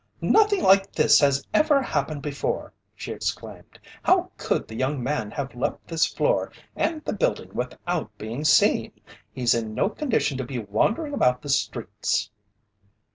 "Nothing like this ever happened before!" she exclaimed. "How could the young man have left this floor and the building without being seen? He's in no condition to be wandering about the streets."